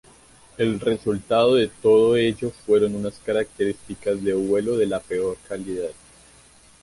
El resultado de todo ello fueron unas características de vuelo de la peor calidad.